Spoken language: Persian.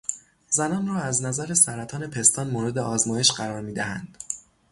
زنان را از نظر سرطان پستان مورد آزمایش قرار میدهند.